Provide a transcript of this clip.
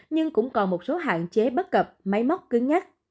nhưng cũng còn một số hạn chế bất cập máy móc cứng nhắc